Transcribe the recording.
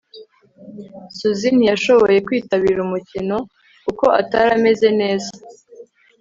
susie ntiyashoboye kwitabira umukino kuko atari ameze neza